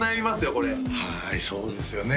これはいそうですよね